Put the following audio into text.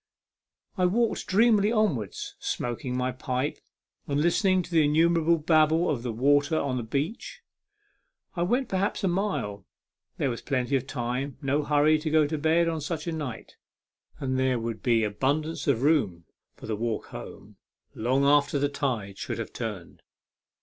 I walked dreamily onwards, smoking my pipe, and listening to the innumerable babble of the waters upon the beach. I went perhaps a mile. There was plenty of time ; no hurry to go to bed on such a night, and there would be abundance of room for the walk home, long after the tide should have turned.